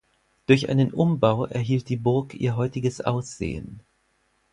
Durch einen Umbau erhielt die Burg ihr heutiges Aussehen.